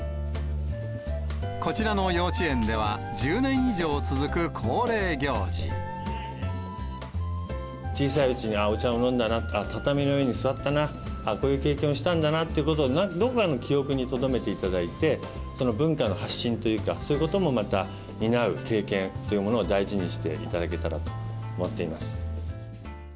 こちらの幼稚園では１０年以小さいうちにお茶を飲んだな、畳の上に座ったな、こういう経験をしたんだなということをどこかの記憶にとどめていただいて、その文化の発信というか、そういうこともまた担う経験というものを大事にしていただけたらと思っています。